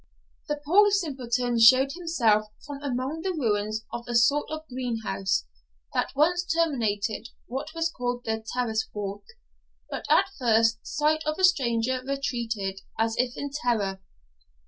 The poor simpleton showed himself from among the ruins of a sort of greenhouse, that once terminated what was called the terrace walk, but at first sight of a stranger retreated, as if in terror.